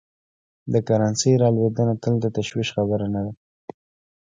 د کرنسۍ رالوېدنه تل د تشویش خبره نه ده.